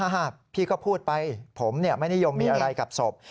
พี่ก็พูดไปผมไม่นิยมมีอะไรกับศพ